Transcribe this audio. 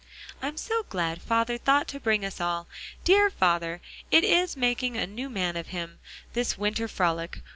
"I am so glad father thought to bring us all. Dear father, it is making a new man of him, this winter frolic.